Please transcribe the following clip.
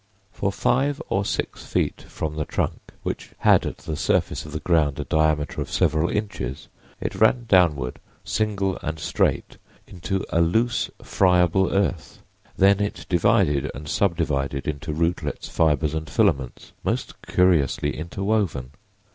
For five or six feet from the trunk, which had at the surface of the ground a diameter of several inches, it ran downward, single and straight, into a loose, friable earth; then it divided and subdivided into rootlets, fibers and filaments, most curiously interwoven.